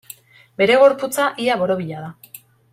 Bere gorputza, ia borobila da.